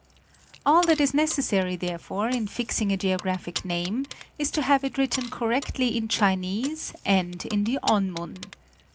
All that is necessary, therefore, in fixing a geographic name is to have it .written correctly in Chinese and in the On mun.